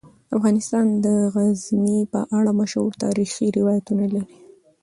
افغانستان د غزني په اړه مشهور تاریخی روایتونه لري.